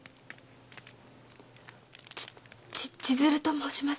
千鶴と申します。